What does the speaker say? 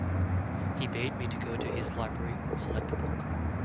He bade me go to his library and select a book.